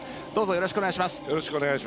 よろしくお願いします。